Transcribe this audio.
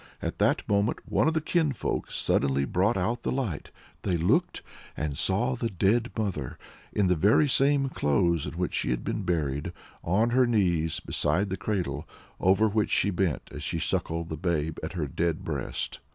At that moment one of the kinsfolk suddenly brought out the light. They looked, and saw the dead mother, in the very same clothes in which she had been buried, on her knees besides the cradle, over which she bent as she suckled the babe at her dead breast.